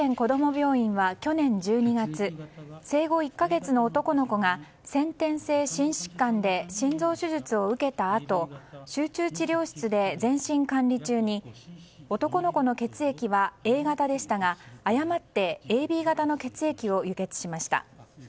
病院は去年１２月生後１か月の男の子が先天性心疾患で心臓手術を受けたあと集中治療室で全身管理中に男の子の血液はＡ型でしたが誤ってＡＢ型の血液を輸血しました。